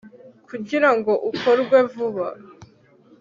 kugira ngo ukorwe vuba